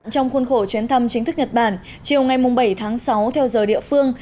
trong khuôn khổ chuyến thăm chính thức nhật bản chiều ngày bảy tháng sáu theo giờ địa phương